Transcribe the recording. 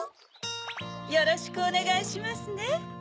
よろしくおねがいしますね。